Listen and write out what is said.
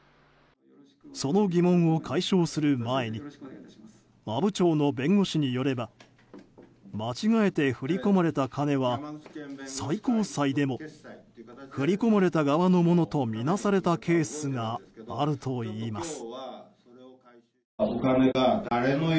その疑問を解消する前に阿武町の弁護士によれば間違えて振り込まれた金は最高裁でも振り込まれた側のものとみなされたケースがあるといいます。